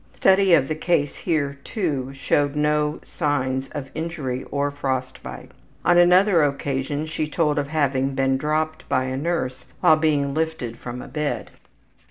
Study of the case here, too, showed no signs of injury or frost bite. On another occasion she told of having been dropped by a nurse while being lifted from a bed.